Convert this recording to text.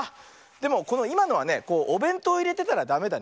でもこのいまのはねおべんとういれてたらダメだね。